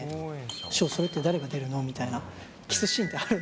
紫耀、それって誰が出るの？みたいな、キスシーンってあるの？